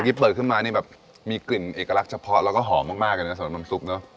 นี่เปิดขึ้นมานี่แบบมีกลิ่นเอกลักษณ์เฉพาะแล้วก็หอมมากเลยนะสำหรับน้ำซุปเนอะ